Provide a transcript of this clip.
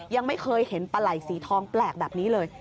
ยังไม่เคยเห็นปลาไหล่สีทองแปลกแบบนี้เลย